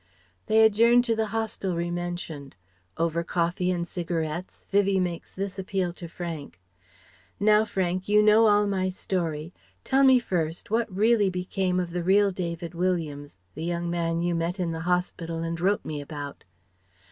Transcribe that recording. They adjourn to the hostelry mentioned. Over coffee and cigarettes, Vivie makes this appeal to Frank: "Now Frank, you know all my story. Tell me first, what really became of the real David Williams, the young man you met in the hospital and wrote to me about?"